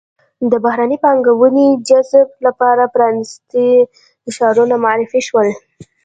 د بهرنۍ پانګونې جذب لپاره پرانیستي ښارونه معرفي شول.